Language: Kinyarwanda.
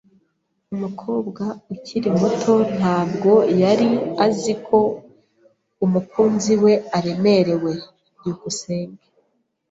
Umukobwa ukiri muto ntabwo yari azi ko umukunzi we aremerewe. byukusenge